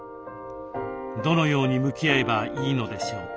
どのように向きあえばいいのでしょうか？